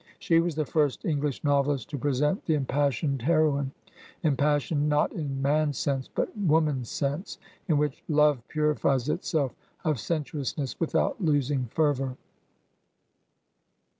She was the first English novelist to present the impassioned heroine; impas sioned not in man's sense, but woman's sense, in which love purifies itself of sensuousness without losing fervor.